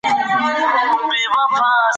پاکه جامه د نېک نیت نښه ده خو که انسان نېک وي.